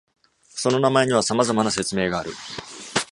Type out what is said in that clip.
その名前には様々な説明がある。